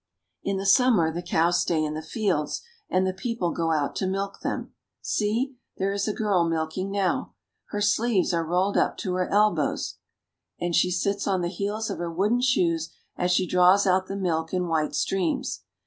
In the summer the cows stay in the fields and the peo ple go out to milk them. See, there is a girl milking now. Her sleeves are rolled up to her elbows, and she sits on the heels of her wooden shoes as she draws out the milk in white streams.